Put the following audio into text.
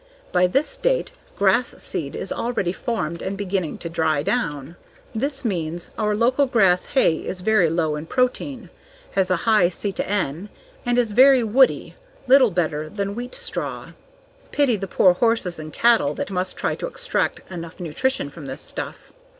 By this date grass seed is already formed and beginning to dry down. This means our local grass hay is very low in protein, has a high C/N, and is very woody little better than wheat straw. Pity the poor horses and cattle that must try to extract enough nutrition from this stuff.